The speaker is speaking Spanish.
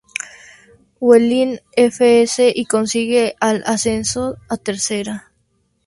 Huelin F. S. y consigue el ascenso a Tercera.